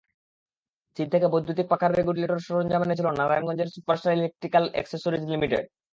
চীন থেকে বৈদ্যুতিক পাখার রেগুলেটরের সরঞ্জাম এনেছিল নারায়ণগঞ্জের সুপারস্টার ইলেকট্রিক্যাল এক্সেসরিজ লিমিটেড।